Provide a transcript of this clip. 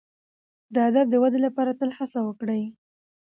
د ادب د ودي لپاره تل هڅه وکړئ.